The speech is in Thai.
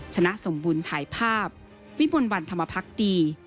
ชนะสมบูรณ์ถ่ายภาพวิมลวันธรรมพักดี